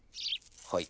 はい。